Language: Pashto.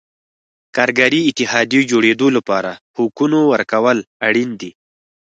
کارګري اتحادیو جوړېدو لپاره حقونو ورکول اړین دي.